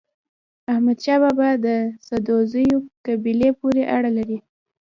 احمد شاه بابا د سدوزيو قبيلې پورې اړه لري.